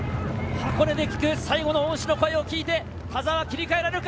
箱根で聞く最後の恩師の声を聞いて田澤は切り替えられるか？